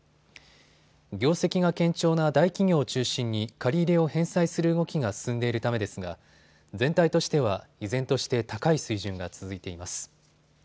業績が堅調な大企業を中心に借り入れを返済する動きが進んでいるためですが全体としては依然として高い水準が続いています。